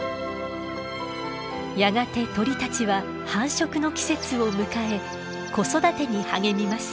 やがて鳥たちは繁殖の季節を迎え子育てに励みます。